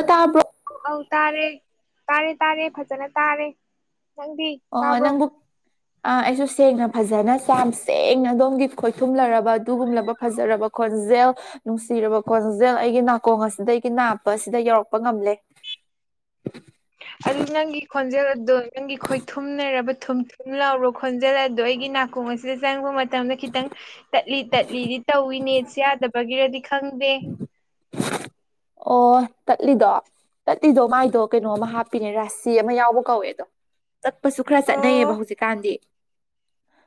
ꯑ ꯇꯥꯕ꯭ꯔꯣ ꯑꯧ ꯇꯥꯔꯦ ꯇꯥꯔꯦ ꯇꯥꯔꯦ ꯐꯖꯅ ꯇꯥꯔꯦ ꯅꯪꯗꯤ ꯑꯣ ꯇꯥꯕ꯭ꯔꯣ ꯅꯪꯕꯨꯛ ꯑ ꯑꯩꯁꯨ ꯁꯦꯡꯅ ꯐꯖꯅ ꯆꯥꯝ ꯁꯦꯡꯅ ꯑꯗꯣꯝꯒꯤ ꯈꯣꯏꯊꯨꯝꯂꯔꯕ ꯑꯗꯨꯒꯨꯝꯂꯕ ꯐꯖꯔꯕ ꯈꯣꯟꯖꯦꯜ ꯅꯨꯡꯁꯤꯔꯕ ꯈꯣꯟꯖꯦꯜ ꯑꯩꯒꯤ ꯅꯥꯀꯣꯡ ꯑꯁꯤꯗꯒꯤ ꯅꯥꯞꯄ ꯑꯁꯤꯗ ꯌꯧꯔꯛꯄ ꯉꯝꯂꯦ ꯑꯗꯨ ꯅꯪꯒꯤ ꯈꯣꯟꯖꯦꯜ ꯑꯗꯣ ꯅꯪꯒꯤ ꯈꯣꯏ ꯊꯨꯝꯅꯔꯕ ꯊꯨꯝ ꯊꯨꯝ ꯂꯥꯎꯔꯕ ꯈꯣꯟꯖꯦꯜ ꯑꯗꯣ ꯑꯩꯒꯤ ꯅꯥꯀꯣꯡ ꯑꯁꯤ ꯁꯤꯗ ꯆꯪꯕ ꯃꯇꯝꯗ ꯈꯤꯇꯪ ꯇꯠꯂꯤ ꯇꯠꯂꯤꯗꯤ ꯇꯧꯏꯅꯦ ꯅꯦꯠꯁꯦ ꯌꯥꯗꯕꯒꯤꯔꯥꯗꯤ ꯈꯪꯗꯦ ꯑꯣ ꯇꯠꯂꯤꯗꯣ ꯇꯠ ꯇꯤꯗꯣ ꯃꯥꯏꯗꯣ ꯀꯩꯅꯣ ꯑꯃ ꯍꯥꯞꯄꯤꯅꯦ ꯔꯥꯁꯤ ꯑꯃ ꯌꯥꯎꯕ ꯀꯧꯋꯦ ꯑꯗꯣ ꯇꯠꯄꯁꯨ ꯈꯔ ꯆꯠꯅꯩꯕ ꯑꯣ ꯍꯧꯖꯤꯛꯀꯥꯟꯗꯤ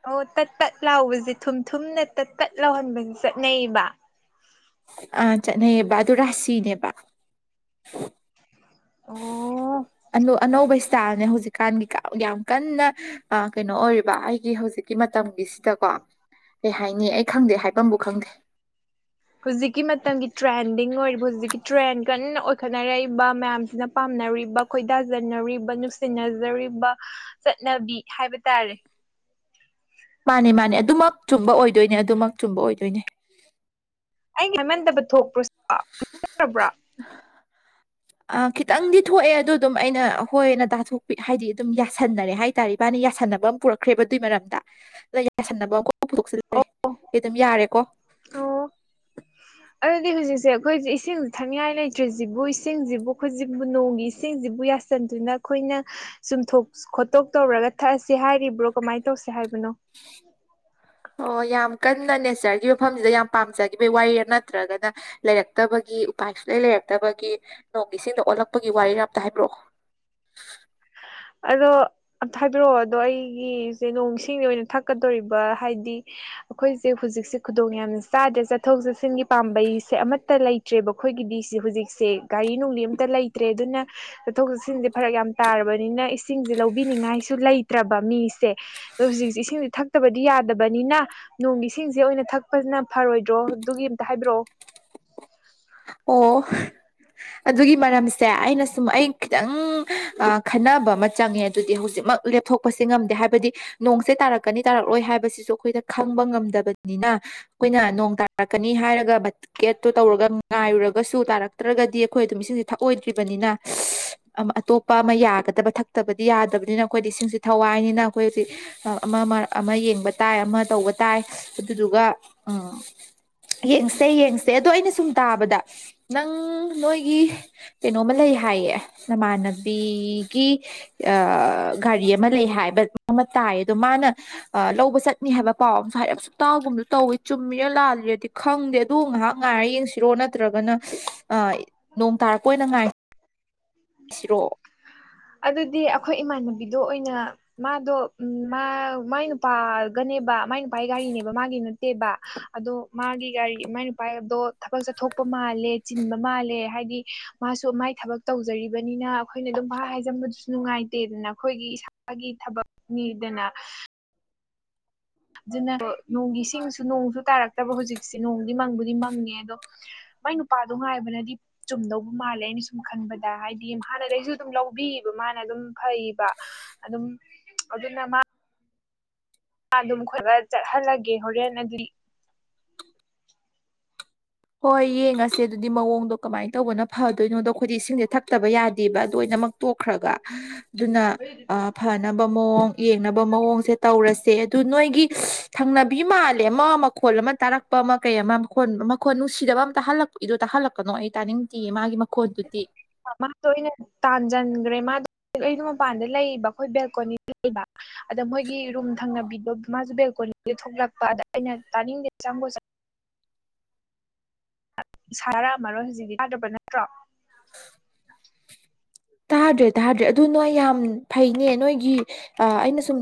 ꯑꯣ ꯇꯠ ꯇꯠ ꯂꯥꯎꯕꯖꯦ ꯊꯨꯝ ꯊꯨꯝꯅ ꯇꯠ ꯇꯠ ꯂꯥꯎꯍꯟꯕꯅꯤ ꯆꯠꯅꯩꯌꯦꯕ ꯑ ꯆꯠꯅꯩꯌꯦꯕ ꯑꯗꯨ ꯔꯥꯁꯤꯅꯦꯕ ꯑꯣ ꯑꯅꯨ ꯑꯅꯧꯕ ꯏꯁꯇꯥꯏꯜꯅꯦ ꯍꯧꯖꯤꯛꯀꯥꯟꯒꯤ ꯀꯥꯝ ꯌꯥꯝ ꯀꯟꯅ ꯑꯥ ꯀꯩꯅꯣ ꯑꯣꯏꯔꯤꯕ ꯑꯩꯒꯤ ꯍꯧꯖꯤꯛ ꯀꯤ ꯃꯇꯝꯒꯤꯁꯤꯗꯀꯣ ꯀꯩ ꯍꯥꯏꯅꯤ ꯑꯩ ꯈꯪꯗꯦ ꯍꯥꯏꯐꯝꯕꯨ ꯈꯪꯗꯦ ꯍꯨꯖꯤꯛꯀꯤ ꯃꯇꯝꯒꯤ ꯇ꯭ꯔꯦꯟꯗꯤꯡ ꯑꯣꯏꯔꯤꯕ ꯍꯧꯖꯤꯛꯀꯤ ꯇ꯭ꯔꯦꯟ ꯀꯟꯅ ꯑꯣꯏꯈꯠꯅꯔꯛꯏꯕ ꯃꯌꯥꯝꯁꯤꯅ ꯄꯥꯝꯅꯔꯤꯕ ꯈꯣꯏꯗꯥꯖꯟꯅꯔꯤꯕ ꯅꯨꯡꯁꯤꯅꯖꯔꯤꯕ ꯆꯠꯅꯕꯤ ꯍꯥꯏꯕ ꯇꯥꯔꯦ ꯃꯥꯅꯦ ꯃꯥꯅꯦ ꯑꯗꯨꯃꯛ ꯆꯨꯝꯕ ꯑꯣꯏꯗꯣꯏꯅꯦ ꯑꯗꯨꯃꯛ ꯆꯨꯝꯕ ꯑꯣꯏꯗꯣꯏꯅꯦ ꯑꯩꯒꯤ ꯍꯥꯏꯃꯟꯗꯕ ꯊꯣꯛꯄ꯭ꯔꯣꯁꯤꯁꯣ [unintelligible] [unintelligible] ꯑ ꯈꯤꯇꯪꯗꯤ ꯊꯣꯛꯑꯦ ꯑꯗꯨ ꯑꯗꯨꯝ ꯑꯩꯅ ꯍꯣꯏꯅ ꯇꯥꯊꯣꯛꯄꯤ ꯍꯥꯏꯗꯤ ꯑꯗꯨꯝ ꯌꯥꯁꯟꯅꯔꯦ ꯍꯥꯏ [unintelligible] ꯏꯕꯥꯅꯤ ꯌꯥꯁꯟꯅꯅꯕ ꯑꯃ ꯄꯨꯔꯛꯈ꯭ꯔꯦꯕ ꯑꯗꯨꯏ ꯃꯔꯛꯇ [unintelligible] ꯌꯥꯁꯟꯅꯕ ꯑꯃꯨꯛ ꯄꯨꯊꯣꯛꯆꯜꯂꯦ ꯑꯩ ꯑꯗꯨꯝ ꯌꯥꯔꯦꯀꯣ ꯑꯧ ꯑꯗꯨꯗꯤ ꯍꯨꯖꯤꯛꯁꯦ ꯑꯈꯣꯏꯁꯦ ꯏꯁꯤꯡ ꯊꯛꯅꯤꯡꯉꯥꯏ ꯂꯩꯇ꯭ꯔꯁꯤꯕꯨ ꯏꯁꯤꯡꯁꯤꯕꯨ ꯈꯣꯏꯖꯤꯕꯨ ꯅꯣꯡꯒꯤ ꯏꯁꯤꯡꯁꯤꯕꯨ ꯌꯥꯁ ꯆꯟꯗꯨꯅ ꯈꯣꯏꯅ ꯆꯨꯝꯊꯣꯛ ꯈꯣꯠꯇꯣꯛ ꯇꯧꯔꯒ ꯊꯛꯑꯁꯦ ꯍꯥꯏꯔꯤꯕ꯭ꯔꯣ ꯀꯃꯥꯏꯅ ꯇꯧꯁꯦ ꯍꯥꯏꯕꯅꯣ ꯑꯣ ꯌꯥꯝ ꯀꯟꯅ ꯅꯦꯆꯔꯒꯤ ꯃꯐꯝꯁꯤꯗ ꯌꯥꯝ ꯄꯥꯝꯖꯈꯤꯕꯒꯤ ꯋꯥꯔꯤꯔ ꯅꯠꯇ꯭ꯔꯒꯅ ꯂꯩꯔꯛꯇꯕꯒꯤ ꯎꯄꯥꯏ ꯁꯨꯂꯩ ꯂꯩꯔꯛꯇꯕꯒꯤ ꯅꯣꯡꯒꯤ ꯏꯁꯤꯡꯗ ꯑꯣꯜꯂꯛꯄꯒꯤ ꯋꯥꯔꯤꯔ ꯑꯝꯇ ꯍꯥꯏꯕꯤꯔꯛꯑꯣ ꯑꯗꯣ ꯑꯝꯇ ꯍꯥꯏꯕꯤꯔꯛꯑꯣ ꯑꯗꯣ ꯑꯩꯒꯤꯁꯦ ꯅꯣꯡ ꯏꯁꯤꯡꯖꯦ ꯑꯣꯏꯅ ꯊꯛꯀꯗꯣꯔꯤꯕ ꯍꯥꯏꯗꯤ ꯑꯈꯣꯏꯁꯦ ꯍꯨꯖꯤꯛꯁꯦ ꯈꯨꯗꯣꯡ ꯌꯥꯝꯅ ꯆꯥꯗ꯭ꯔꯦ ꯆꯠꯊꯣꯛ ꯆꯠꯁꯤꯟꯒꯤ ꯄꯥꯝꯕꯩꯁꯦ ꯑꯃꯇ ꯂꯩ ꯇ꯭ꯔꯦꯕ ꯑꯩꯈꯣꯏꯒꯤꯗꯤꯁꯤ ꯍꯧꯖꯤꯛꯁꯦ ꯒꯥꯔꯤ ꯅꯨꯡꯂꯤ ꯑꯝꯇ ꯂꯩꯇ꯭ꯔꯦ ꯑꯗꯨꯅ ꯆꯠꯊꯣꯛ ꯆꯠꯁꯤꯟꯁꯦ ꯐꯔꯛ ꯌꯥꯝ ꯇꯥꯔꯕꯅꯤꯅ ꯏꯁꯤꯡꯖꯦ ꯂꯧꯕꯤꯅꯤꯉꯥꯏꯁꯨ ꯂꯩꯇ꯭ꯔꯕ ꯃꯤꯁꯦ ꯑꯗꯣ ꯍꯧꯖꯤꯛꯁꯦ ꯏꯁꯤꯡꯖꯦ ꯊꯛꯇꯕꯗꯤ ꯌꯥꯗꯕꯅꯤꯅ ꯅꯣꯡꯒꯤ ꯏꯁꯤꯡꯁꯦ ꯑꯣꯏꯅ ꯊꯛꯄꯖꯤꯅ ꯐꯔꯣꯏꯗ꯭ꯔꯣ ꯑꯗꯨꯒꯤ ꯑꯝꯇ ꯍꯥꯏꯕꯤꯔꯛꯑꯣ ꯑꯣ ꯑꯗꯨꯒꯤ ꯃꯔꯝꯁꯦ ꯑꯩꯅ ꯁꯨꯝ ꯑꯩ ꯈꯤꯇꯪ ꯑ ꯈꯟꯅꯕ ꯑꯃ ꯆꯪꯉꯦ ꯑꯗꯨꯗꯤ ꯍꯨꯖꯤꯛꯃꯛ ꯂꯦꯞꯊꯣꯛꯄꯁꯤ ꯉꯝꯗꯦ ꯍꯥꯏꯕꯗꯤ ꯅꯣꯡꯁꯦ ꯇꯥꯔꯛꯀꯅꯤ ꯇꯥꯔꯛꯂꯣꯏ ꯍꯥꯏꯕꯁꯤꯁꯨ ꯑꯩꯈꯣꯏꯗ ꯈꯪꯕ ꯉꯝꯗꯕꯅꯤꯅ ꯑꯈꯣꯏꯅ ꯅꯣꯡ ꯇꯥꯔꯛꯀꯅꯤ ꯍꯥꯏꯔꯒ ꯕꯀꯦꯠꯇꯣ ꯇꯧꯔꯒ ꯉꯥꯏꯔꯨꯔꯒꯁꯨ ꯇꯥꯔꯛꯇ꯭ꯔꯒꯗꯤ ꯑꯩꯈꯣꯏ ꯑꯗꯨꯝ ꯏꯁꯤꯡꯁꯦ ꯊꯛꯑꯣꯏꯗ꯭ꯔꯤꯕꯅꯤꯅ ꯑꯇꯣꯞꯄ ꯑꯃ ꯌꯥꯒꯗꯕ ꯊꯛꯇꯕꯗꯤ ꯌꯥꯗꯕꯅꯤꯅ ꯑꯩꯈꯣꯏꯗꯤ ꯏꯁꯤꯡꯁꯤ ꯊꯋꯥꯏꯅꯤꯅ ꯑꯩꯈꯣꯏ ꯍꯧꯖꯤꯛ ꯑ ꯑꯃ ꯑꯃ ꯑꯃ ꯌꯦꯡꯕ ꯇꯥꯏ ꯑꯃ ꯇꯧꯕ ꯇꯥꯏ ꯑꯗꯨꯗꯨꯒ ꯎꯝ ꯌꯦꯡꯁꯦ ꯌꯦꯡꯁꯦ ꯑꯗꯣ ꯑꯩꯅ ꯁꯨꯝ ꯇꯥꯕꯗ ꯅꯪ ꯅꯣꯏꯒꯤ ꯀꯩꯅꯣꯃꯥ ꯂꯩ ꯍꯥꯏꯌꯦ ꯅꯃꯥꯟꯅꯕꯤꯒꯤ ꯑꯥ ꯒꯥꯔꯤ ꯑꯃ ꯂꯩ ꯍꯥꯏꯕ ꯑꯃ ꯇꯥꯏ ꯑꯗꯣ ꯃꯥꯅ ꯂꯧꯕ ꯆꯠ ꯅꯤ ꯍꯥꯏꯕ ꯄꯥꯎ ꯑꯝꯁꯨ ꯍꯥꯏꯔꯞꯁꯨ ꯇꯥꯒꯨꯝꯁꯨ ꯇꯧꯋꯤ ꯆꯨꯝꯃꯤꯔꯥ ꯂꯥꯂꯤꯔꯗꯤ ꯈꯪꯗꯦ ꯑꯗꯨ ꯉꯥꯏꯍꯥꯛ ꯉꯥꯏꯔ ꯌꯦꯡꯁꯤ ꯅꯠꯇ꯭ꯔꯒꯅ ꯑꯥ ꯅꯣꯡ ꯇꯥꯔꯛꯄ ꯑꯣꯏꯅ ꯉꯥꯏ ꯁꯤꯔꯣ ꯑꯗꯨꯗꯤ ꯑꯈꯣꯏ ꯏꯃꯥꯟꯅꯕꯤꯗꯣ ꯑꯣꯏꯅ ꯃꯥꯗꯣ ꯎꯝ ꯃꯥ ꯃꯥꯏ ꯅꯨꯄꯥꯒꯅꯦꯕ ꯃꯥꯏ ꯅꯨꯄꯥꯒꯤ ꯒꯥꯔꯤꯅꯦꯕ ꯃꯥꯒꯤ ꯅꯠꯇꯦꯕ ꯑꯗꯣ ꯃꯥꯒꯤ ꯒꯥꯔꯤ ꯃꯥꯏ ꯅꯨꯄꯥꯗꯣ ꯊꯕꯛ ꯆꯠꯊꯣꯛꯄ ꯃꯥꯜꯂꯦ ꯆꯤꯟꯕ ꯃꯥꯜꯂꯦ ꯍꯥꯏꯗꯤ ꯃꯥꯁꯨ ꯃꯥꯏ ꯊꯕꯛ ꯇꯧꯖꯔꯤꯕꯅꯤꯅ ꯑꯩꯈꯣꯏꯅ ꯑꯗꯨꯝ ꯄꯪ ꯍꯥꯏꯖꯟꯕꯗꯨꯁꯨ ꯅꯨꯡꯉꯥꯏꯇꯦꯗꯅ ꯑꯩꯈꯣꯏꯒꯤ ꯏꯁꯥ ꯒꯤ ꯊꯕꯛ ꯅꯤꯗꯅ ꯑꯗꯨꯅ ꯅꯣꯡꯒꯤ ꯏꯁꯤꯡꯁꯨ ꯅꯣꯡꯁꯨ ꯇꯥꯔꯛꯇꯕ ꯍꯧꯖꯤꯛꯁꯦ ꯅꯣꯡꯗꯤ ꯃꯪꯕꯨꯗꯤ ꯃꯪꯉꯦ ꯑꯗꯣ ꯃꯥꯏ ꯅꯨꯄꯥꯗꯣ ꯉꯥꯏꯕꯅꯗꯤ ꯆꯨꯝꯗꯧꯕ ꯃꯥꯜꯂꯦ ꯑꯩꯅ ꯁꯨꯝ ꯈꯟꯕꯗ ꯍꯥꯏꯗꯤ ꯍꯥꯟꯅꯗꯩꯁꯨ ꯑꯗꯨꯝ ꯂꯧꯕꯤꯕ ꯃꯥꯅ ꯑꯗꯨꯝ ꯐꯩꯕ ꯑꯗꯨꯝ ꯑꯗꯨꯅ ꯃꯥ ꯃꯥ ꯑꯗꯨꯝ ꯈꯣꯏꯕ ꯆꯠꯍꯜꯂꯒꯦ ꯍꯣꯔꯦꯟ ꯑꯗꯤ ꯍꯣꯏ ꯌꯦꯡꯉꯁꯦ ꯑꯗꯨꯗꯤ ꯃꯑꯣꯡꯗꯣ ꯀꯃꯥꯏꯅ ꯇꯧꯕꯅ ꯐꯗꯣꯏꯅꯣꯗꯣ ꯑꯩꯈꯣꯏꯗꯤ ꯏꯁꯤꯡꯁꯦ ꯊꯛꯇꯕ ꯌꯥꯗꯦꯕ ꯑꯗꯨ ꯂꯣꯏꯅꯃꯛ ꯇꯣꯛꯈ꯭ꯔꯒ ꯑꯗꯨꯅ ꯐꯅꯕ ꯃꯑꯣꯡ ꯌꯦꯡꯅꯕ ꯃꯑꯣꯡꯁꯦ ꯇꯧꯔꯁꯦ ꯑꯗꯨ ꯅꯣꯏꯒꯤ ꯊꯪꯅꯕꯤ ꯃꯥꯜꯂꯦ ꯑꯃ ꯃꯈꯣꯜ ꯑꯃ ꯇꯥꯔꯛꯄ ꯑꯃ ꯀꯩ ꯑꯃ ꯃꯈꯣꯟ ꯃꯈꯣꯟ ꯅꯨꯡꯁꯤꯗꯕ ꯑꯃ ꯇꯥꯍꯜꯂꯛꯏꯗꯣ ꯇꯥꯍꯜꯂꯛꯀꯅꯣ ꯑꯩ ꯇꯥꯅꯤꯡꯗꯤꯌꯦ ꯃꯥꯒꯤ ꯃꯈꯣꯟꯗꯨꯗꯤ ꯃꯥꯗꯣ ꯑꯩꯅ ꯇꯥꯟꯖꯟꯒ꯭ꯔꯦ ꯃꯥꯗꯣ ꯑꯩꯗꯣ ꯃꯄꯥꯟꯗ ꯂꯩꯕ ꯑꯩꯈꯣꯏ ꯕꯦꯜꯀꯣꯅꯤꯗ ꯂꯩꯕ ꯑꯗ ꯃꯣꯏꯒꯤ ꯔꯨꯝ ꯊꯪꯅꯕꯤꯗꯣ ꯃꯥꯁꯨ ꯕꯦꯜꯀꯣꯅꯤꯗ ꯊꯣꯛꯂꯛꯄ ꯑꯗ ꯑꯩꯅ ꯇꯥꯅꯤꯡꯗꯦ ꯆꯪꯒꯣ ꯆꯠꯂꯣ ꯁꯥꯔꯛꯑꯝꯃꯔꯣꯢ [unintelligible] ꯍꯧꯖꯤꯛꯇꯤ ꯌꯥꯗ꯭ꯔꯕ ꯅꯠꯇ꯭ꯔꯣ ꯇꯥꯗ꯭ꯔꯦ ꯇꯥꯗ꯭ꯔꯦ ꯑꯗꯨ ꯅꯣꯏ ꯌꯥꯝ ꯐꯩꯅꯦ ꯅꯣꯏꯒꯤ ꯑꯥ ꯑꯩꯅ ꯁꯨꯝ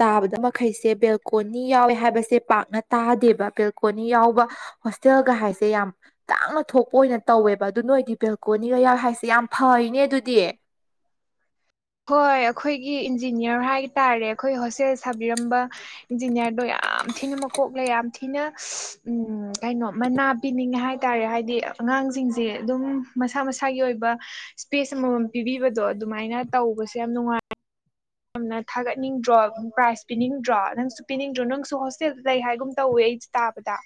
ꯇꯥꯕꯗ ꯃꯈꯩꯁꯦ ꯕꯦꯜꯀꯣꯅꯤ ꯌꯥꯎꯋꯦ ꯍꯥꯏꯕꯁꯦ ꯄꯥꯛꯅ ꯇꯥꯗꯦꯕ ꯕꯦꯜꯀꯣꯅꯤ ꯌꯥꯎꯕ ꯍꯣꯁꯇꯦꯜꯒ ꯍꯥꯏꯁꯦ ꯌꯥꯝ ꯇꯥꯡꯅ ꯊꯣꯛꯄ ꯑꯣꯏꯅ ꯇꯧꯋꯦꯕ ꯑꯗꯨ ꯅꯣꯏꯗꯤ ꯕꯦꯜꯀꯣꯅꯤꯒ ꯌꯥꯎꯋꯦ ꯍꯥꯏꯁꯦ ꯌꯥꯝ ꯐꯩꯅꯦ ꯑꯗꯨꯗꯤ ꯍꯣꯏ ꯑꯩꯈꯣꯏꯒꯤ ꯏꯟꯖꯤꯅꯤꯌꯥꯔ ꯍꯥꯏꯇꯥꯥꯔꯦ ꯑꯩꯈꯣꯏ ꯍꯣꯁꯇꯦꯜ ꯁꯥꯕꯤꯔꯝꯕ ꯏꯟꯖꯤꯅꯤꯌꯥꯔꯗꯣ ꯌꯥꯝ ꯊꯤꯅ ꯃꯀꯣꯛꯂꯩ ꯌꯥꯝ ꯊꯤꯅ ꯎꯝ ꯀꯩꯅꯣ ꯃꯅꯥ ꯄꯤꯅꯤꯡꯉꯦ ꯍꯥꯏꯇꯥꯔꯦ ꯍꯥꯏꯗꯤ ꯑꯉꯥꯡꯁꯤꯡꯁꯦ ꯑꯗꯨꯝ ꯃꯁꯥ ꯃꯁꯥꯒꯤ ꯑꯣꯏꯕ ꯏꯁꯄꯦꯁ ꯑꯃꯃꯝ ꯄꯤꯕꯤꯕꯗꯣ ꯑꯗꯨꯃꯥꯏꯅ ꯇꯧꯕꯁꯦ ꯌꯥꯝ ꯅꯨꯡꯉꯥꯏ ꯌꯥꯝꯅ ꯊꯥꯒꯠꯅꯤꯡꯗ꯭ꯔꯣ ꯄ꯭ꯔꯥꯏꯖ ꯄꯤꯅꯤꯡꯗ꯭ꯔꯣ ꯅꯪꯁꯨ ꯄꯤꯅꯤꯡꯗ꯭ꯔꯣ ꯅꯪꯁꯨ ꯍꯣꯁꯇꯦꯜ ꯂꯩ ꯍꯥꯏꯒꯨꯝ ꯇꯧꯋꯦ ꯑꯩ ꯇꯥꯕꯗ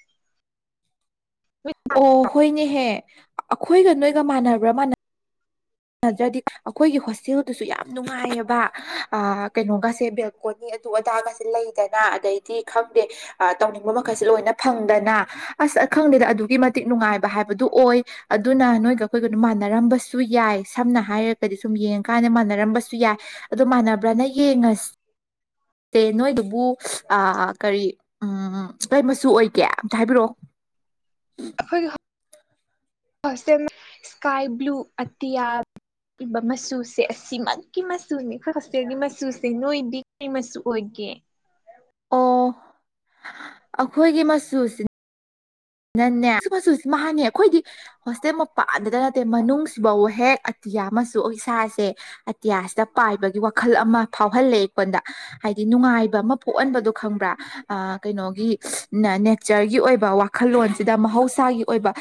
[unintelligible] ꯑꯣ ꯍꯣꯏꯅꯦꯍꯦ ꯑꯈꯣꯏꯒ ꯅꯣꯏꯒ ꯃꯥꯟꯅꯕ꯭ꯔꯥ ꯃꯥꯟꯅ ꯗ꯭ꯔꯗꯤ ꯑꯩꯈꯣꯏꯒꯤ ꯍꯣꯁꯇꯦꯜ ꯑꯗꯨꯁꯨ ꯌꯥꯝ ꯅꯨꯡꯉꯥꯏꯌꯦꯕ ꯀꯩꯅꯣꯒꯁꯦ ꯕꯦꯜꯀꯣꯟꯅꯤ ꯑꯗꯨ ꯑꯗꯥꯒꯁꯦ ꯂꯩꯗꯅ ꯑꯗꯩ ꯇꯤ ꯈꯪꯗꯦ ꯇꯧꯅꯤꯡꯕ ꯃꯈꯩꯁꯨ ꯂꯣꯏꯅ ꯐꯪꯗꯅ ꯑꯁ ꯑꯩ ꯈꯪꯗꯦꯗ ꯑꯗꯨꯛꯀꯤ ꯃꯇꯤꯛ ꯅꯨꯡꯉꯥꯏꯕ ꯍꯥꯏꯕꯗꯨ ꯑꯣꯏ ꯑꯗꯨꯅ ꯅꯣꯏꯒ ꯑꯩꯈꯣꯏꯒꯅ ꯃꯥꯟꯅꯔꯝꯕꯁꯨ ꯌꯥꯏ ꯁꯝꯅ ꯍꯥꯏꯔꯒ ꯀꯗꯤ ꯁꯨꯝ ꯌꯦꯡꯉ ꯀꯥꯟꯗ ꯃꯥꯟꯅꯔꯝꯕꯁꯨ ꯌꯥꯏ ꯑꯗꯣ ꯃꯥꯟꯅꯕ꯭ꯔꯅ ꯌꯦꯡꯉꯁꯤ ꯇꯦ ꯅꯣꯏꯗꯨꯕꯨ ꯑꯥ ꯀꯔꯤ ꯎꯝ ꯀꯩ ꯃꯆꯨ ꯑꯣꯏꯒꯦ ꯑꯝꯇ ꯍꯥꯏꯕꯤꯔꯛꯑꯣ ꯑꯩꯈꯣꯏꯒꯤ ꯍꯣ ꯍꯣꯁꯇꯦꯜ ꯏꯁꯀꯥꯏ ꯕ꯭ꯂꯨ ꯑꯇꯤꯌꯥ ꯕꯤꯕ ꯃꯆꯨꯁꯦ ꯑꯁꯤꯃꯛꯀꯤ ꯃꯆꯨꯅꯤ ꯑꯩꯈꯣꯏ ꯍꯣꯁꯇꯦꯜꯒꯤ ꯃꯆꯨꯁꯦ ꯅꯣꯏꯕꯤ ꯀꯔꯤ ꯃꯆꯨ ꯑꯣꯏꯒꯦ ꯑꯣ ꯑꯩꯈꯣꯏꯒꯤ ꯃꯆꯨꯁꯤꯅ ꯅꯤꯅꯅꯦ ꯁꯤ ꯃꯆꯨꯁꯤ ꯃꯥꯅꯦ ꯑꯩꯈꯣꯏꯗꯤ ꯍꯣꯁꯇꯦꯜ ꯄꯥꯟꯗꯇ ꯅꯠꯇꯦ ꯃꯅꯨꯡꯁꯤꯐꯧ ꯍꯦꯛ ꯑꯇꯤꯌꯥ ꯑꯣꯏ ꯏꯁꯥꯁꯦ ꯑꯇꯤꯌꯥꯁꯤꯗ ꯄꯥꯏꯕꯒꯤ ꯋꯥꯈꯜ ꯑꯃ ꯐꯥꯎꯍꯜꯂꯦ ꯑꯩꯉꯣꯟꯗ ꯍꯥꯏꯗꯤ ꯅꯨꯡꯉꯥꯏꯕ ꯑꯃ ꯄꯣꯛꯍꯟꯕꯗꯣ ꯈꯪꯕ꯭ꯔꯥ ꯑꯥ ꯀꯩꯅꯣꯒꯤ ꯅꯦꯆꯔꯒꯤ ꯑꯣꯏꯕ ꯋꯥ ꯈꯜꯂꯣꯟꯁꯤꯗ ꯃꯍꯧꯁꯥꯒꯤ ꯑꯣꯏꯕ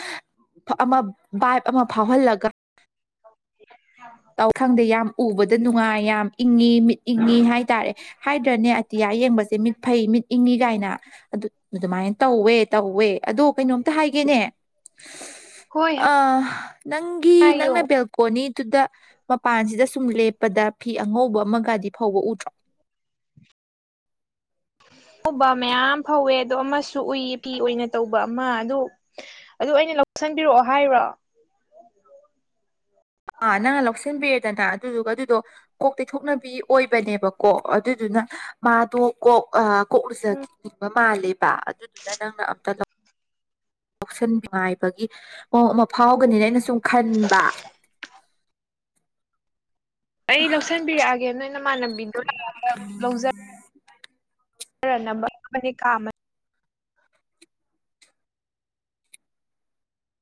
ꯑꯃ ꯕꯥꯏꯞ ꯑꯃ ꯐꯥꯎꯍꯜꯂꯒ [unintelligible] ꯑꯧ ꯈꯪꯗꯦ ꯌꯥꯝ ꯎꯕꯗ ꯅꯨꯡꯉꯥꯏ ꯌꯥꯝ ꯏꯪꯉꯤ ꯃꯤꯠ ꯏꯪꯉꯤ ꯍꯥꯏꯇꯥꯔꯦ ꯍꯥꯏꯗ꯭ꯔꯅꯦ ꯑꯇꯤꯌꯥ ꯌꯦꯡꯕꯁꯦ ꯃꯤꯠ ꯐꯩ ꯃꯤꯠ ꯏꯪꯉꯤ ꯀꯥꯏꯅ ꯑꯗꯨ ꯑꯗꯨꯃꯥꯏꯅ ꯇꯧꯋꯦ ꯇꯧꯋꯦ ꯑꯗꯣ ꯀꯩꯅꯣꯝꯇ ꯍꯥꯏꯒꯦꯅꯦ ꯍꯣꯏ ꯑ ꯅꯪꯒꯤ ꯅꯪꯅ ꯍꯥꯏꯌꯨ ꯕꯦꯜ ꯀꯣꯅꯤꯗꯨꯗ ꯃꯄꯥꯟꯁꯤꯗ ꯁꯨꯝ ꯂꯦꯞꯄꯗ ꯐꯤ ꯑꯉꯧꯕ ꯑꯃꯒꯗꯤ ꯐꯧꯕ ꯑꯨꯗ꯭ꯔꯣ ꯉꯧꯕ ꯃꯌꯥꯝ ꯐꯥꯎꯋꯦ ꯑꯗꯣ ꯑꯃꯁꯨ ꯑꯨꯏꯌꯦ ꯐꯤ ꯑꯣꯏꯅ ꯇꯧꯕ ꯑꯃ ꯑꯗꯨ ꯑꯗꯨ ꯑꯩꯅ ꯂꯧꯁꯟꯕꯤꯔꯛꯑꯣ ꯍꯥꯏꯔꯣ ꯑꯥ ꯅꯪꯅ ꯂꯧꯁꯤꯟꯕꯤꯔꯦꯗꯅ ꯑꯗꯨꯗꯨꯒ ꯑꯗꯨꯗꯣ ꯀꯣꯛ ꯇꯩꯊꯣꯛꯅꯕꯤ ꯑꯣꯏꯕꯅꯦꯕꯀꯣ ꯑꯗꯨꯗꯨꯅ ꯃꯥꯗꯣ ꯀꯣꯛ ꯑꯥ ꯎꯝ ꯀꯣꯛꯂꯨꯖꯈꯤꯅꯤꯡꯕ ꯃꯥꯜꯂꯦꯕ ꯑꯗꯨꯗꯨꯅ ꯅꯪꯅ ꯑꯝꯇ ꯂꯧ ꯂꯧꯁꯟ ꯉꯥꯏꯕꯒꯤ ꯃꯑꯣꯡ ꯑꯃ ꯐꯥꯎꯒꯅꯤꯅ ꯑꯩꯅ ꯁꯨꯝ ꯈꯟꯕ ꯑꯩ ꯂꯧꯁꯟꯕꯤꯔꯛꯑꯒꯦ ꯅꯣꯏ ꯅꯃꯥꯟꯅꯕꯤꯗꯣ ꯂꯥꯛꯑꯒ ꯑꯃꯨꯛ ꯂꯧꯖ ꯅꯅꯕ ꯏꯕꯅꯤ ꯀꯥ ꯑꯃ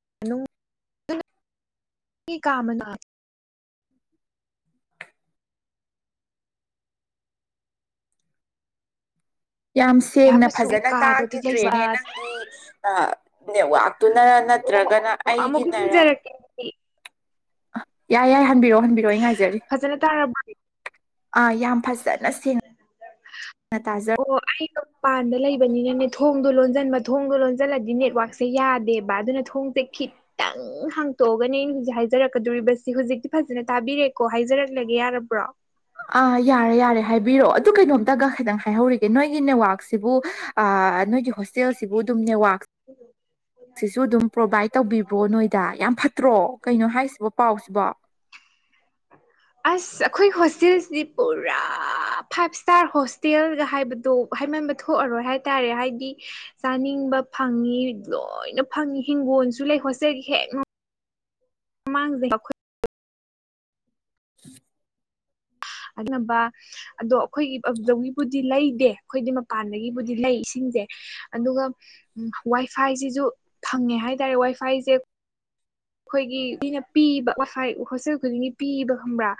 ꯃꯅꯨꯡꯒꯤ [unintelligible] ꯀꯥ ꯃꯅꯥꯛ ꯌꯥꯝ ꯁꯦꯡꯅ ꯃꯆꯨ ꯑꯩ ꯐꯖꯅ ꯀꯥꯗꯣ ꯑꯗꯨ ꯂꯩꯕ ꯇꯥꯒꯤꯗ꯭ꯔꯦꯅꯦ ꯅꯪꯒꯤ ꯑ ꯅꯦꯠꯋꯥꯛꯇꯨꯅꯔ ꯅꯠꯇ꯭ꯔꯒꯅ ꯑꯣ ꯑꯃꯨꯛ ꯑꯩꯒꯤꯅꯔ ꯈꯨꯝꯖꯔꯛꯀꯦ ꯌꯥꯏ ꯌꯥꯏ ꯍꯟꯕꯤꯔꯛꯑꯣ ꯍꯟꯕꯤꯔꯛꯑꯣ ꯑꯩ ꯉꯥꯏꯖꯔꯤ ꯐꯖꯅ ꯇꯥꯔꯕ ꯑꯥ ꯌꯥꯝ ꯐꯖꯅ ꯁꯦꯡꯅ ꯇꯥꯖ ꯑꯣ ꯑꯩꯗꯣ ꯄꯥꯟꯗ ꯂꯩꯕꯅꯤꯅꯅꯦ ꯊꯣꯡꯗꯣ ꯂꯣꯟꯖꯟꯕ ꯊꯣꯡꯗꯣ ꯂꯣꯟꯖꯜꯂꯗꯤꯅꯦ ꯅꯦꯠꯋꯥꯛꯁꯦ ꯌꯥꯗꯦꯕ ꯑꯗꯨꯅ ꯊꯣꯡꯁꯦ ꯈꯤꯠ ꯇꯪ ꯍꯥꯡꯇꯣꯛꯑꯒꯅꯦ ꯑꯩꯅ ꯍꯧꯖꯤꯛ ꯍꯥꯏꯖꯔꯛꯀꯗꯣꯔꯤꯕꯦ ꯖꯤ ꯍꯧꯖꯤꯛꯇꯤ ꯐꯖꯅ ꯇꯥꯕꯤꯔꯦꯀꯣ ꯍꯥꯏꯖꯔꯛꯂꯒꯦ ꯌꯥꯔꯕ꯭ꯔꯣ ꯑꯥ ꯌꯥꯔꯦ ꯌꯥꯔꯦ ꯍꯥꯏꯕꯤꯔꯛꯑꯣ ꯑꯗꯨ ꯀꯩꯅꯣꯝꯇꯒ ꯈꯤꯇꯪ ꯍꯥꯏꯍꯧꯔꯤꯒꯦ ꯅꯣꯏꯒꯤ ꯅꯦꯠꯋꯥꯛꯁꯤꯕꯨ ꯑꯥ ꯅꯣꯏꯒꯤ ꯍꯣꯁ ꯇꯦꯜꯁꯤꯕꯨ ꯑꯗꯨꯝ ꯅꯦꯋꯥꯛ ꯁꯤꯁꯨ ꯑꯗꯨꯝ ꯄ꯭ꯔꯣꯚꯥꯏꯠ ꯇꯧꯕꯤꯕ꯭ꯔꯣ ꯅꯣꯏꯗ ꯌꯥꯝ ꯐꯠꯇ꯭ꯔꯣ ꯀꯩꯅꯣ ꯍꯥꯏꯁꯤꯕꯣ ꯄꯥꯎꯁꯤꯕꯣ ꯑꯁ ꯑꯩꯈꯣꯏ ꯍꯣꯁꯇꯦꯜꯁꯤꯗꯤ ꯄꯨꯔꯥ ꯐꯥꯏꯕ ꯁ꯭ꯇꯥꯔ ꯍꯣꯁꯇꯦꯜꯒ ꯍꯥꯏꯕꯗꯣ ꯍꯥꯏꯃꯟꯕ ꯊꯣꯛꯑꯔꯣꯏ ꯍꯥꯏꯇꯥꯔꯦ ꯍꯥꯏꯗꯤ ꯆꯥꯅꯤꯡꯕ ꯐꯪꯉꯤ ꯂꯣꯏꯅ ꯐꯪꯉꯤ ꯍꯤꯡꯒꯣꯜꯖꯨ ꯂꯩ ꯍꯣꯁꯇꯦꯜꯒꯤ ꯍꯦꯛ ꯅꯥꯛ ꯃꯃꯥꯡꯖꯦ ꯑꯩꯈꯣꯏ [inaudible] ꯑꯅꯥꯝꯕ ꯑꯗꯣ ꯑꯩꯈꯣꯏꯒꯤ [unintelligible] ꯕꯨꯗꯤ ꯂꯩꯗꯦ ꯑꯩꯈꯣꯏꯗꯤ ꯃꯄꯥꯟꯗꯒꯤꯕꯨꯗꯤ ꯂꯩ ꯏꯁꯤꯡꯖꯦ ꯑꯗꯨꯒ ꯋꯥꯏ ꯐꯥꯏꯖꯤꯖꯨ ꯐꯪꯉꯦ ꯍꯥꯏꯇꯥꯔꯦ ꯋꯥꯏ ꯐꯥꯏꯖꯦ ꯑꯩꯈꯣꯏꯒꯤ ꯃꯤꯅ ꯄꯤꯕ ꯋꯥꯏꯐꯥꯏ ꯍꯣꯁꯇꯦꯜ ꯈꯨꯗꯤꯡꯒꯤ ꯄꯤ ꯑꯦꯕ ꯈꯪꯕ꯭ꯔꯥ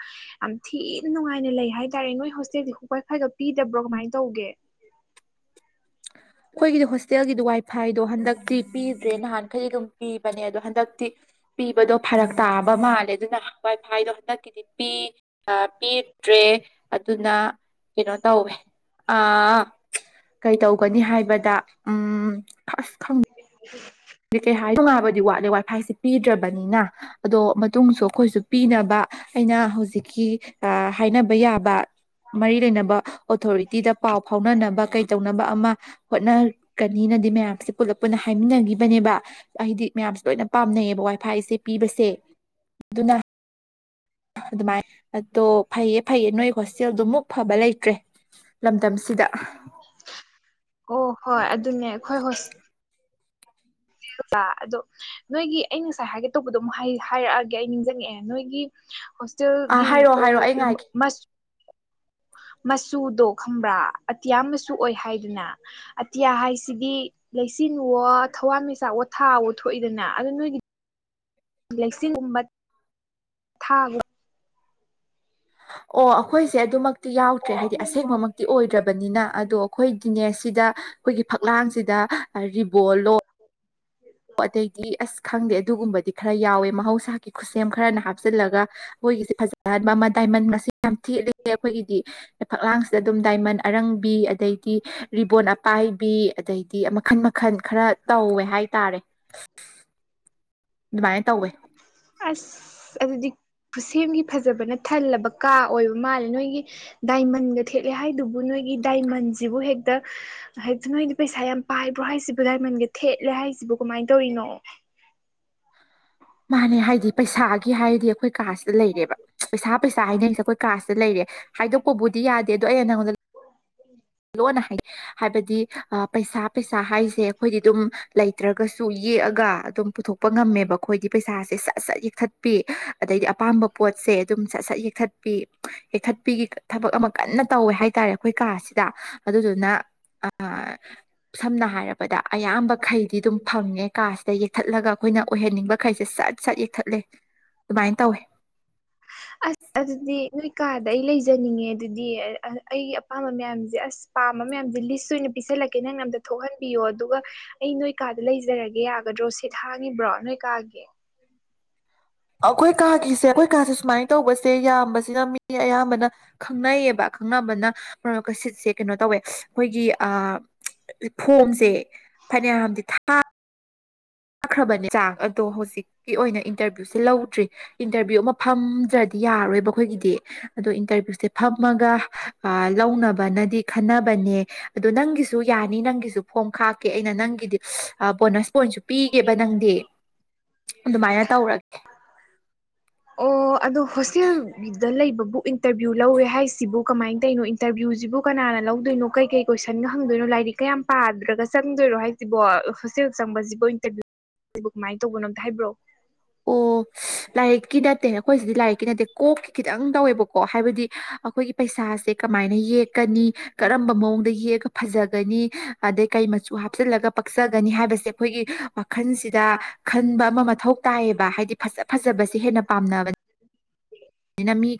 ꯌꯥꯝ ꯊꯤꯅ ꯅꯨꯡꯉꯥꯏꯅ ꯂꯩ ꯍꯥꯏꯇꯥꯔꯦ ꯅꯣꯏ ꯍꯣꯁꯇꯦꯜꯗꯤ ꯋꯥꯏ ꯐꯥꯏꯒ ꯄꯤꯗꯕ꯭ꯔꯣ ꯀꯃꯥꯏꯅ ꯇꯧꯒꯦ [unintelligible] ꯑꯩꯈꯣꯏꯒꯤꯗꯤ ꯍꯣꯇꯦꯜꯒꯤꯗꯤ ꯋꯥꯏ ꯐꯥꯏꯗꯣ ꯍꯟꯗꯛꯇꯤ ꯄꯤꯗ꯭ꯔꯦ ꯅꯍꯥꯟꯈꯩꯗꯤ ꯑꯗꯨꯝ ꯄꯤꯕꯅꯦ ꯑꯗꯣ ꯍꯟꯗꯛꯇꯤ ꯄꯤꯕꯗꯣ ꯐꯔꯛ ꯇꯥꯕ ꯃꯥꯜꯂꯦ ꯑꯗꯨꯅ ꯋꯥꯏ ꯐꯥꯏꯗꯣ ꯍꯟꯗꯛꯀꯤꯗꯤ ꯄꯤ ꯑꯥ ꯄꯤ ꯇ꯭ꯔꯦ ꯑꯗꯨꯅ ꯀꯩꯅꯣ ꯇꯧꯋꯦ ꯑꯥ ꯀꯩꯇꯧ ꯅꯤ ꯍꯥꯏꯕꯗ ꯎꯝ ꯑꯁ ꯈꯪ ꯀꯩ [unintelligible] ꯅꯨꯡꯉꯥꯏꯕꯗꯤ ꯋꯥꯠꯂꯦ ꯋꯥꯏꯐꯥꯏꯁꯦ ꯄꯤꯗ꯭ꯔꯕꯅꯤꯅ ꯑꯗꯣ ꯃꯇꯨꯡꯁꯨ ꯑꯩꯈꯣꯏꯁꯨ ꯄꯤꯅꯕ ꯑꯩꯅ ꯍꯧꯖꯤꯛꯀꯤ ꯑꯥ ꯍꯥꯏꯅꯕ ꯌꯥꯕ ꯃꯔꯤ ꯂꯩꯅꯕ ꯑꯣꯊꯣꯔꯤꯇꯤꯗ ꯄꯥꯎ ꯐꯥꯎꯅꯅꯕ ꯀꯩ ꯇꯧꯅꯕ ꯑꯃ ꯍꯣꯠꯅꯒꯅꯤꯅꯗꯤ ꯃꯌꯥꯝꯁꯦ ꯄꯨꯂꯞ ꯄꯨꯟꯅ ꯍꯥꯏꯃꯤꯟꯅꯅꯤ ꯕꯅꯦꯕ ꯍꯥꯏꯗꯤ ꯃꯌꯥꯝꯁꯦ ꯂꯣꯏꯅ ꯄꯥꯝꯅꯩꯌꯦꯕ ꯋꯥꯏ ꯐꯥꯏꯁꯦ ꯄꯤꯕꯁꯦ ꯑꯗꯨꯅ [inaudible] ꯑꯗꯨꯃꯥꯏ ꯑꯗꯣ ꯐꯩꯌꯦ-ꯐꯩꯌꯦ ꯅꯣꯏ ꯍꯣꯁꯇꯦꯜꯗꯨꯃꯨꯛ ꯐꯕ ꯂꯩꯇ꯭ꯔꯦ꯫ ꯂꯝꯗꯝꯁꯤꯗ꯫ ꯑꯣ ꯍꯣꯏ ꯑꯗꯨꯅꯦ ꯈꯣꯏ ꯍꯣꯁ ꯑꯥ ꯑꯗꯣ ꯅꯣꯏꯒꯤ ꯑꯩ ꯉꯁꯥꯏ ꯍꯥꯏꯒꯦ ꯇꯧꯕꯗꯣ ꯑꯃꯨꯛ ꯍꯩ ꯍꯥꯏꯔꯛꯑꯒꯦ ꯑꯩ ꯅꯤꯡꯁꯪ ꯉꯛꯑꯦ ꯅꯣꯏꯒꯤ ꯑꯥ ꯍꯣꯁꯇꯦꯜꯒꯤ ꯍꯥꯏꯔꯛꯑꯣ ꯑꯥ ꯍꯥꯏꯔꯛꯑꯣ ꯑꯩ ꯔꯨꯝ ꯉꯥꯏꯒꯦ ꯃꯁ ꯃꯆꯨꯗꯣ ꯈꯪꯕ꯭ꯔꯥ ꯑꯇꯤꯌꯥ ꯃꯆꯨ ꯑꯣꯏ ꯍꯥꯏꯗꯅ꯫ ꯑꯇꯤꯌꯥ ꯍꯥꯏꯁꯤꯗꯤ ꯂꯩꯆꯤꯟꯋꯣ ꯊꯋꯥꯟꯃꯤꯆꯥꯛꯋꯣ ꯊꯥꯋꯣ ꯊꯣꯛꯏꯗꯅ ꯑꯥꯗꯣ ꯅꯣꯏꯒꯤ ꯂꯩꯆꯤꯟꯒꯨꯝꯕ ꯊꯥ ꯑꯣ ꯑꯈꯣꯏꯁꯦ ꯑꯗꯨꯃꯛꯇꯤ ꯌꯥꯎꯗ꯭ꯔꯦ ꯍꯥꯏꯗꯤ ꯑꯁꯦꯡꯕꯃꯛ ꯇꯤ ꯑꯣꯏꯗ꯭ꯔꯕꯅꯤꯅ ꯑꯗꯣ ꯑꯩꯈꯣꯏ ꯗꯤꯅꯦ ꯁꯤꯗ ꯑꯩꯈꯣꯏꯒꯤ ꯐꯛꯂꯥꯡꯁꯤꯗ ꯔꯤꯕꯣ ꯂꯣ ꯑꯗꯩꯗꯤ ꯑꯁ ꯈꯪꯗꯦ ꯑꯗꯨꯒꯨꯝꯕꯗꯤ ꯈꯔ ꯌꯥꯎꯋꯦ ꯃꯍꯧꯁꯥ ꯈꯨꯠꯁꯦꯝ ꯈꯔꯅ ꯍꯥꯞꯆꯤꯜꯂꯒ ꯃꯣꯏꯒꯤꯁꯦ ꯐꯖꯍꯟꯕ ꯑꯃ ꯗꯥꯏꯃꯟ ꯒꯁꯦ ꯌꯥꯝ ꯊꯦꯠꯂꯦ ꯑꯩꯈꯣꯏꯒꯤꯗꯤ ꯐꯛꯂꯥꯡꯁꯤꯗ ꯑꯗꯨꯝ ꯗꯥꯏꯃꯟ ꯑꯔꯪꯕꯤ ꯑꯗꯩꯗꯤ ꯔꯤꯕꯣꯟ ꯑꯄꯥꯏꯕꯤ ꯑꯗꯩꯗꯤ ꯃꯈꯟ-ꯃꯈꯟ ꯈꯔ ꯇꯧꯋꯦ ꯍꯥꯏꯇꯥꯔꯦ꯫ [inaudible] ꯗꯨꯃꯥꯏꯅ ꯇꯧꯋꯦ꯫ [unintelligible] ꯑꯁ ꯑꯗꯨꯗꯤ ꯈꯨꯠꯁꯦꯝꯒꯤ ꯐꯖꯕꯅ ꯊꯜꯂꯕ ꯀꯥ ꯑꯣꯏꯕ ꯃꯥꯜꯂꯦ ꯅꯣꯏꯒꯤ ꯗꯥꯏꯃꯟꯒ ꯊꯦꯠꯂꯦ ꯍꯥꯏꯗꯨꯕꯨ ꯅꯣꯏꯒꯤ ꯗꯥꯏꯃꯟꯁꯤꯕꯨ ꯍꯦꯛꯇ ꯍꯧꯇꯨ ꯅꯣꯏꯗꯤ ꯄꯩꯁꯥ ꯌꯥꯝ ꯄꯥꯏꯕ꯭ꯔꯣ ꯍꯥꯏꯁꯤꯕꯨ ꯗꯥꯏꯃꯟꯒ ꯊꯦꯠꯂꯦ ꯍꯥꯏꯁꯤꯕꯨ ꯀꯃꯥꯏꯅ ꯇꯧꯔꯤꯅꯣ꯫ ꯃꯥꯅꯦ ꯍꯥꯏꯗꯤ ꯄꯩꯁꯥꯒꯤ ꯍꯥꯏꯔꯗꯤ ꯑꯩꯈꯣꯏ ꯀꯥꯁꯤꯗ ꯂꯩꯔꯦꯕ꯫ ꯄꯩꯁꯥ ꯄꯩꯁꯥ ꯍꯥꯏꯅꯔꯤꯁꯦ ꯑꯩꯈꯣꯏ ꯀꯁꯤꯗ ꯂꯩꯔꯦ ꯍꯥꯏꯗꯣꯛꯄꯕꯨꯗꯤ ꯌꯥꯗꯦ ꯑꯗꯣ ꯑꯩꯅ ꯅꯪꯉꯣꯟꯗ [inaudible] ꯂꯣꯟꯅ ꯍꯥꯏ ꯍꯥꯏꯕ ꯇꯤ ꯑ ꯄꯩꯁꯥ ꯄꯩꯁꯥ ꯍꯥꯏꯁꯦ ꯈꯣꯏꯗꯤ ꯑꯗꯨꯝ ꯂꯩꯇ꯭ꯔꯒꯁꯨ ꯌꯦꯛꯑꯒ ꯑꯗꯨꯝ ꯄꯨꯊꯣꯛ ꯄ ꯉꯝꯃꯦꯕ ꯑꯩꯈꯣꯏꯗꯤ ꯄꯩꯁꯥꯁꯦ ꯁꯠ-ꯁꯠ ꯌꯦꯛꯊꯠꯄꯤ ꯑꯗꯩꯗꯤ ꯑꯄꯥꯝꯕ ꯄꯣꯠꯁꯦ ꯑꯗꯨꯝ ꯁꯠ-ꯁꯠ ꯌꯦꯛꯊꯠ ꯄꯤ ꯌꯦꯛꯊꯠꯄꯤꯒꯤ ꯊꯕꯛ ꯑꯃ ꯀꯟꯅ ꯇꯧꯋꯦ ꯍꯥꯏꯇꯥꯔꯦ ꯑꯩꯈꯣꯏ ꯀꯥꯁꯤꯗ ꯑꯗꯨ ꯗꯨꯅ ꯑ ꯁꯝꯅ ꯍꯥꯏꯔꯕꯗ ꯑꯌꯥꯝꯕꯈꯩꯗꯤ ꯑꯗꯨꯝ ꯐꯪꯉꯦ ꯀꯥꯁꯤꯗ ꯌꯦꯛꯊꯠꯂꯒ ꯑꯩꯈꯣꯏꯅ ꯑꯣꯏꯍꯟꯅꯤꯡꯕ ꯈꯩꯁꯦ ꯁꯠ-ꯁꯠ ꯌꯦꯛꯊꯠꯂꯦ ꯗꯨꯃꯥꯏꯅ ꯇꯧꯋꯦ꯫ ꯑꯁ ꯑꯗꯨꯗꯤ ꯅꯣꯏ ꯀꯥꯗ ꯑꯩ ꯂꯩꯖꯅꯤꯡꯉꯦ ꯑꯗꯨꯗꯤ ꯑ ꯑꯩꯒꯤ ꯑꯄꯥꯝꯕ ꯃꯌꯥꯝꯁꯦ ꯑꯁ꯫ ꯄꯥꯝꯕ ꯃꯌꯥꯝꯁꯦ ꯂꯤꯁ ꯑꯣꯏꯅ ꯄꯤꯁꯜꯂꯛꯀꯦ ꯅꯪꯅ ꯑꯝꯗ ꯊꯣꯛꯍꯟꯕꯤꯌꯣ ꯑꯗꯨꯒ ꯑꯩ ꯅꯣꯏ ꯀꯥꯗ ꯂꯩꯖꯔꯒꯦ ꯌꯥꯒꯗ꯭ꯔꯣ ꯁꯤꯠ ꯍꯥꯡꯉꯤꯕ꯭ꯔꯣ ꯅꯣꯏ ꯀꯥꯒꯤ꯫ ꯑꯈꯣꯏ ꯀꯥꯒꯤꯁꯦ ꯑꯈꯣꯏ ꯀꯥꯁꯦ ꯁꯨꯃꯥꯏꯅ ꯇꯧꯕꯁꯦ ꯌꯥꯝꯕꯁꯤꯅ ꯃꯤ ꯑꯌꯥꯝꯕꯅ ꯈꯪꯅꯩꯌꯦꯕ ꯈꯪꯅꯕꯅ ꯃꯔ ꯀꯁꯤꯠꯁꯦ ꯀꯩꯅꯣ ꯇꯧꯋꯦ ꯑꯩꯈꯣꯏꯒꯤ ꯑꯥ ꯐꯣꯝꯁꯦ ꯐꯅꯌꯥꯝꯗꯤ ꯊꯥ ꯊꯥꯈ꯭ꯔꯕꯅꯦ ꯆꯥꯛ ꯑꯗꯣ ꯍꯧꯖꯤꯛ ꯀꯤ ꯑꯣꯏꯅ ꯏꯟꯇꯔꯚꯤꯌꯨꯁꯦ ꯂꯧꯗ꯭ꯔꯤ ꯏꯟꯇꯔꯚꯤꯌꯨ ꯑꯃ ꯐꯝꯗ꯭ꯔꯗꯤ ꯌꯥꯔꯔꯣꯏꯕ꯫ ꯈꯣꯏꯒꯤꯗꯤ ꯑꯗꯣ ꯏꯟꯇꯔꯚ꯭ꯌꯨꯁꯦ ꯐꯝꯃꯒ ꯑꯥ ꯂꯧꯅꯕꯅꯗꯤ ꯈꯟꯅꯕꯅꯦ꯫ ꯑꯗꯣ ꯅꯪꯒꯤꯁꯨ ꯌꯥꯅꯤ ꯅꯪꯒꯤꯁꯨ ꯐꯣꯝ ꯈꯥꯛ ꯀꯦ ꯑꯩꯅ ꯅꯪꯒꯤꯗꯤ ꯑ ꯕꯣꯅꯁ ꯄꯣꯏꯟꯁꯨ ꯄꯤꯒꯦꯕ ꯅꯪꯗꯤ꯫ ꯑꯗꯨꯃꯥꯏꯅ ꯇꯧꯔꯒꯦ ꯑꯣ ꯑꯗꯣ ꯍꯣꯁꯇꯦꯜꯒꯤꯗ ꯂꯩꯕꯕꯨ ꯏꯟꯇꯔꯚꯤꯌꯨ ꯂꯧꯋꯦ ꯍꯥꯏꯁꯤꯕꯨ ꯀꯃꯥꯏꯅ ꯇꯔꯤꯅꯣ ꯏꯟꯇꯔꯚ꯭ꯌꯨꯁꯤꯕꯨ ꯀꯅꯥꯅ ꯂꯧꯗꯣꯏꯅꯣ ꯀꯩꯀꯩ ꯀꯣꯏꯁꯟꯒ ꯍꯪꯗꯣꯏꯅꯣ ꯂꯥꯏꯔꯤꯛ ꯀꯌꯥꯝ ꯄꯥꯗ꯭ꯔꯒ ꯆꯪꯗꯣꯏꯔꯣ ꯍꯥꯏ ꯁꯤꯕꯣ ꯍꯣꯁꯇꯦꯜ ꯆꯪꯕꯁꯤꯕꯣ ꯏꯟꯇꯔꯚꯤꯌꯨ ꯀꯃꯥꯏꯅ ꯇꯧꯕꯅꯣ ꯑꯝꯇ ꯍꯥꯏꯕꯤꯔꯣ ꯑꯣ ꯂꯥꯏꯔꯤꯛꯀꯤ ꯅꯠꯇꯦ ꯅꯈꯣꯏꯁꯤꯗꯤ ꯂꯥꯏꯔꯤꯛꯀꯤ ꯅꯠꯇꯦ ꯀꯣꯛꯀꯤ ꯈꯤꯇꯪ ꯇꯧꯋꯦꯕꯀꯣ ꯍꯥꯏꯕꯗꯤ ꯑꯩꯈꯣꯏꯒꯤ ꯄꯩꯁꯥꯁꯦ ꯀꯃꯥꯏꯅ ꯌꯦꯛꯀꯅꯤ ꯀꯔꯝꯕ ꯃꯑꯣꯡꯗ ꯌꯦꯛꯑ ꯐꯖꯒꯅꯤ ꯑꯗꯩ ꯀꯩ ꯃꯆꯨ ꯍꯥꯞꯆꯤꯜꯂꯒ ꯄꯛꯆꯒꯅꯤ ꯍꯥꯏꯕꯁꯦ ꯑꯩꯈꯣꯏꯒꯤ ꯋꯥꯈꯜꯁꯤꯗ ꯈꯟꯕ ꯑꯃ ꯃꯊꯧ ꯇꯥꯏꯌꯦꯕ ꯍꯥꯏꯗꯤ ꯐꯖ ꯐꯖꯕꯁꯦ ꯍꯦꯟꯅ ꯄꯥꯝꯅꯕꯅꯦꯅ ꯃꯤ